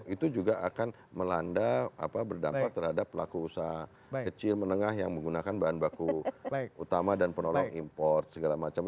itu juga akan melanda berdampak terhadap pelaku usaha kecil menengah yang menggunakan bahan baku utama dan penolong import segala macam